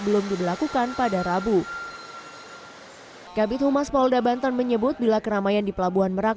belum diberlakukan pada rabu kabit humas polda banten menyebut bila keramaian di pelabuhan merak